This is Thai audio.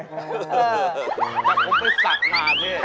อยากขอไปสั่งมาดิ